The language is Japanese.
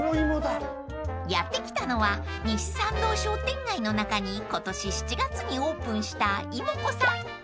［やって来たのは西参道商店街の中に今年７月にオープンした芋こさん］